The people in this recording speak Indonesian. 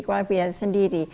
keluar biaya sendiri